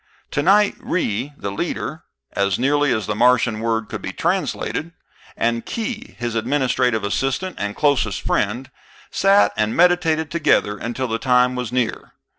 Tonight Ry, the leader (as nearly as the Martian word can be translated), and Khee, his administrative assistant and closest friend, sat and meditated together until the time was near.